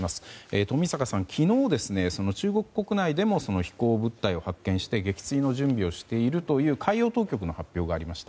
冨坂さん、昨日中国国内でも飛行物体を発見して撃墜の準備をしているという海洋当局の発表がありました。